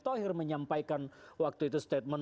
thohir menyampaikan waktu itu statement